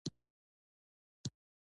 القدس خاموشه دی.